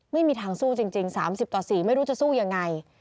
ไม่มีทางสู้จริง๓๐ต่อ๔ไม่รู้จะสู้ยังไง